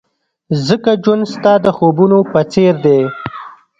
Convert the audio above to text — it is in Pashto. ځکه ژوند ستا د خوبونو په څېر دی.